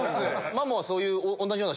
マモはそういう。